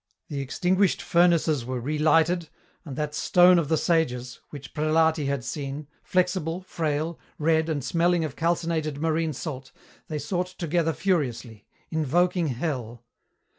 The extinguished furnaces were relighted, and that Stone of the Sages, which Prelati had seen, flexible, frail, red and smelling of calcinated marine salt, they sought together furiously, invoking Hell.